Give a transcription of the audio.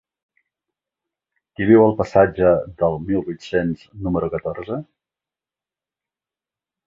Qui viu al passatge del Mil vuit-cents número catorze?